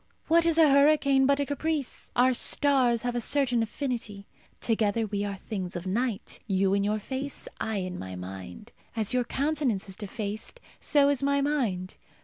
What is a hurricane but a caprice? Our stars have a certain affinity. Together we are things of night you in your face, I in my mind. As your countenance is defaced, so is my mind.